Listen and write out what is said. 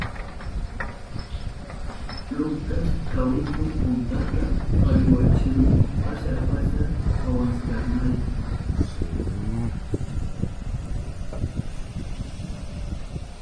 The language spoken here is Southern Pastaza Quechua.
Lucas kawitun puntata parihuyachihun pasa pasa kahushkanrayku.